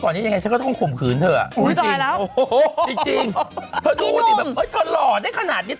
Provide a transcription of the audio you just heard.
เขาเปลี่ยนกันที่ประดับแล้ว